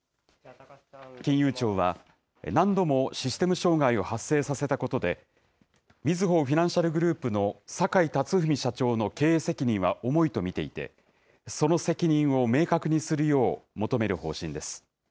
金融庁は、何度もシステム障害を発生させたことで、みずほフィナンシャルグループの坂井辰史社長の経営責任は重いと見ていて、その責任を明確にするよう求める方針です。